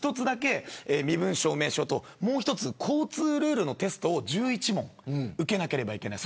身分証明書と、もう一つ交通ルールのテストを１１問受けなければいけない。